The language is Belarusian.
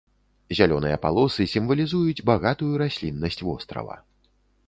Зялёныя палосы сімвалізуюць багатую расліннасць вострава.